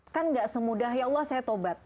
kan gak semudah ya allah saya tobat